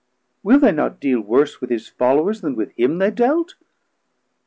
will they not deale Wors with his followers then with him they dealt?